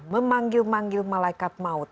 memanggil manggil malaikat maut